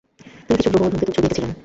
তিনি কিছু গ্রহ ও ধূমকেতুর ছবিও এঁকেছিলেন।